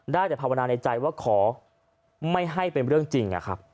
ได้แต่ภาวนาในใจว่าขอไม่ให้เป็นเรื่องจริง